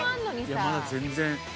まだ全然。